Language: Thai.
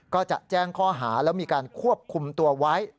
ก็จะแจ้งข้อหาแล้วมีการควบคุมตัวไว้